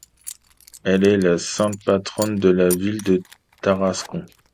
Elle est la sainte patronne de la ville de Tarascon.